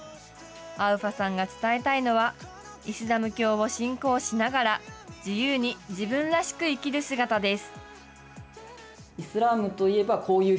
アウファさんが伝えたいのは、イスラム教を信仰しながら自由に自分らしく生きる姿です。